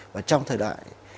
và trong thời đại